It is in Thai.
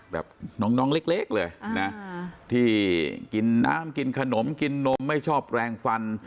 แบบน้องเล็กเลยนะที่กินน้ำกินขนมกินนมไม่ชอบแรงฟัน